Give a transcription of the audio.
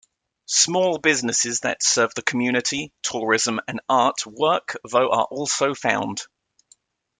Small businesses that serve the community, tourism, and art work though are also found.